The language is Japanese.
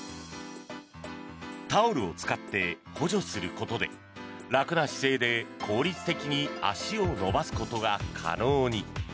タオルを使って補助することで楽な姿勢で効率的に足を伸ばすことが可能に。